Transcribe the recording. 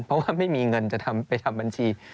เพราะว่าไม่มีเงินจะไปทำบัญชี